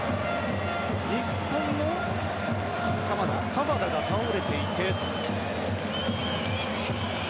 日本の鎌田が倒れていて。